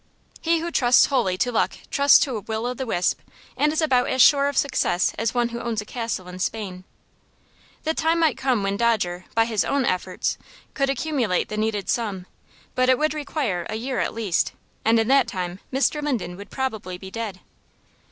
He who trusts wholly to luck trusts to a will o' the wisp, and is about as sure of success as one who owns a castle in Spain. The time might come when Dodger, by his own efforts, could accumulate the needed sum, but it would require a year at least, and in that time Mr. Linden would probably be dead.